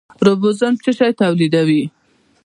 رایبوزوم څه شی تولیدوي؟